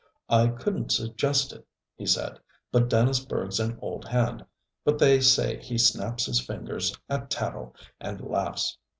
'I couldn't suggest it,' he said. 'But Dannisburgh's an old hand. But they say he snaps his fingers at tattle, and laughs.